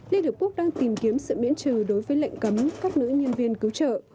liên hợp quốc đang tìm kiếm sự miễn trừ đối với lệnh cấm các nữ nhân viên cứu trợ